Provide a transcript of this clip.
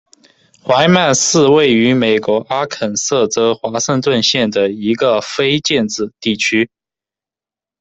怀曼是位于美国阿肯色州华盛顿县的一个非建制地区。